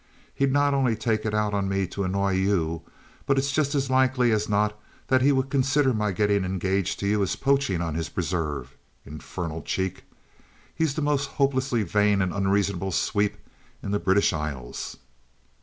He'd not only try to take it out of me to annoy you, but it's just as likely as not that he would consider my getting engaged to you as poaching on his preserves infernal cheek. He's the most hopelessly vain and unreasonable sweep in the British Isles."